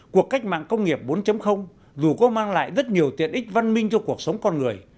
cuộc cách mạng công nghiệp bốn dù có mang lại rất nhiều tiện ích văn minh cho cuộc sống con người